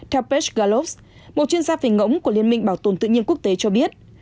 theo pech galops một chuyên gia về ngỗng của liên minh bảo tồn tự nhiên quốc tế cho biết